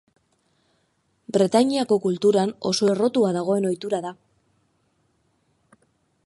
Bretainiako kulturan oso errotua dagoen ohitura da.